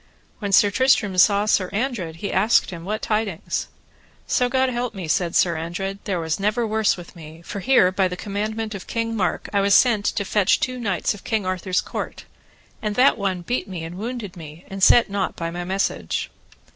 When Sir Tristram saw Sir Andred he asked him what tidings. So God me help, said Sir Andred, there was never worse with me, for here by the commandment of King Mark I was sent to fetch two knights of King Arthur's court, and that one beat me and wounded me, and set nought by my message.